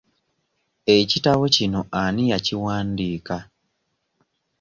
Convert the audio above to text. Ekitabo kino ani yakiwandiika?